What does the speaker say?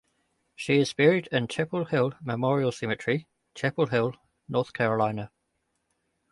She is buried in Chapel Hill Memorial Cemetery, Chapel Hill, North Carolina.